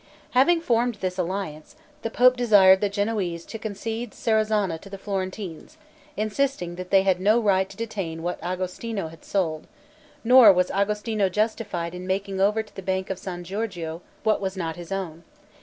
Having formed this alliance, the pope desired the Genoese to concede Serezana to the Florentines, insisting that they had no right to detain what Agostino had sold, nor was Agostino justified in making over to the Bank of San Giorgio what was not his own.